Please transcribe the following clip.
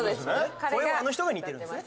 声はあの人が似てるんですね